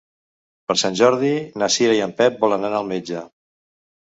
Per Sant Jordi na Cira i en Pep volen anar al metge.